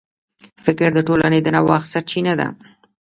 فکر د ټولنې د نوښت سرچینه ده.